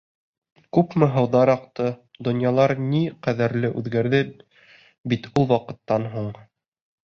Күпме һыуҙар аҡты, донъялар ни ҡәҙәрле үҙгәрҙе бит ул ваҡыттан һуң!